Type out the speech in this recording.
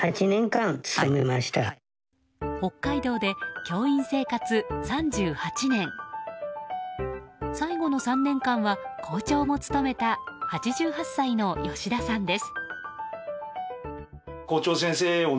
北海道で教員生活３８年最後の３年間は校長も務めた８８歳の吉田さんです。